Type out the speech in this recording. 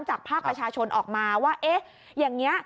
ภาคประชาชนออกมาว่าเอ๊ะอย่างนี้